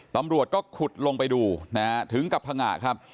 ตำรวจก็ขุดลงไปดูถึงกับผงะครับ